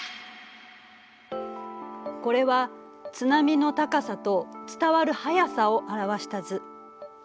これは津波の高さと伝わる速さを表した図。